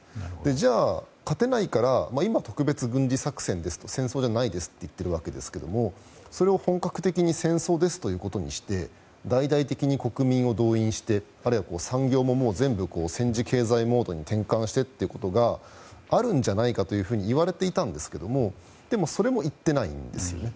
じゃあ、勝てないから今、特別軍事作戦です戦争じゃないですと言っているわけですがそれを正式に戦争ですと言って大々的に国民を動員して産業も全部、戦時経済モードに転換してということがあるんじゃないかというふうに言われていたんですがそれも言っていないんですね。